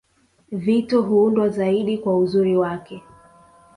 Vito huundwa zaidi kwa uzuri wake